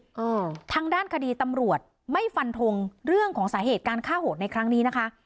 อ่าทางด้านคดีตำรวจไม่ฟันทงเรื่องของสาเหตุการฆ่าโหดในครั้งนี้นะคะ